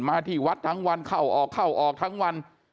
ที่วัดทั้งวันเข้าออกเข้าออกทั้งวัน